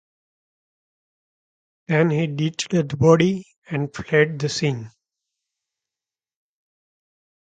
He then ditched the body and fled the scene.